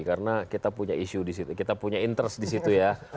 karena kita punya isu di situ kita punya interest di situ ya